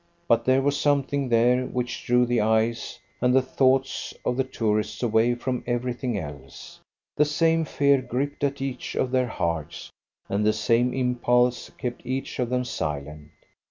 But there was something there which drew the eyes and the thoughts of the tourists away from everything else. The same fear gripped at each of their hearts, and the same impulse kept each of them silent.